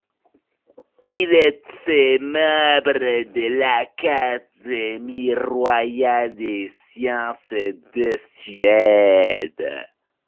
Il était membre de l'Académie royale des sciences de Suède.